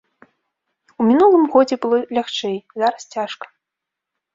У мінулым годзе было лягчэй, зараз цяжка.